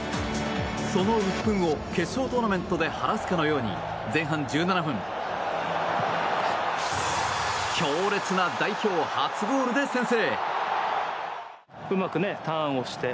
そのうっぷんを決勝トーナメントで晴らすかのように前半１７分強烈な代表初ゴールで先制。